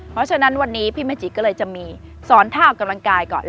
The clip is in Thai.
เพราะฉะนั้นวันนี้พี่เมจิก็เลยจะมีสอนท่าออกกำลังกายก่อน